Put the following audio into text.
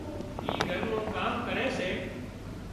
اِي گھر نُون ڪام ڪري سي